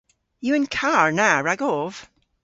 Yw an karr na ragov?